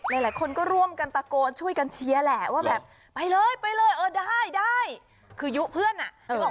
หลายคนก็ร่วมกันตะโกนช่วยกันเชียร์แหละว่าแบบไปเลยไปเลยเออได้ได้คือยุเพื่อนอ่ะนึกออก